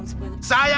sama siapa ya